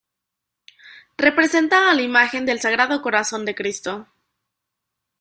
Representa a la imagen del Sagrado Corazón de Cristo.